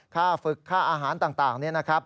ค่าฝึกค่าอาหารต่างนี่นะครับ